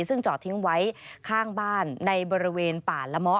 ซึ่งจอดทิ้งไว้ข้างบ้านในบริเวณป่าละเมาะ